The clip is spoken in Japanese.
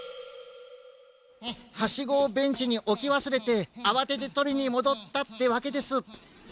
ハシゴをベンチにおきわすれてあわててとりにもどったってわけです。